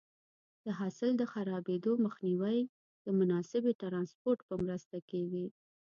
د حاصل د خرابېدو مخنیوی د مناسبې ټرانسپورټ په مرسته کېږي.